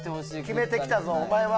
決めてきたぞお前は！